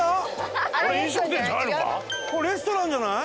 レストランじゃない？